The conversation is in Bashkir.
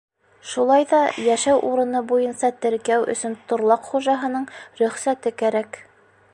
Шулай ҙа йәшәү урыны буйынса теркәү өсөн торлаҡ хужаһының рөхсәте кәрәк.